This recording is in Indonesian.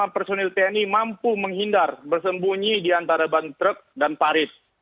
lima personil tni mampu menghindar bersembunyi di antara ban truk dan parit